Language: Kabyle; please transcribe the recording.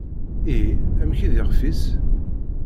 Ihi, amek i d ixf-is?